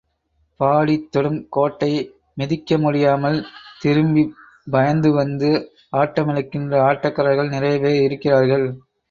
பாடித் தொடும் கோட்டை மிதிக்க முடியாமல், திரும்பி பயந்து வந்து ஆட்டமிழக்கின்ற ஆட்டக்காரர்கள் நிறைய பேர் இருக்கிறார்கள்.